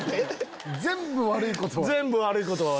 全部悪いことは。